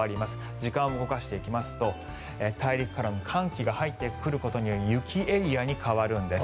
時間を動かしていきますと大陸からの寒気が入ってくることで雪エリアに変わるんです。